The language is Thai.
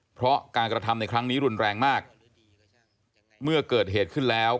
เพราะการกระทำในครั้งนี้รุนแรงมากเมื่อเกิดเหตุขึ้นแล้ว